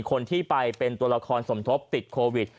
คนที่ไปเป็นตัวละครสมทบติดโควิด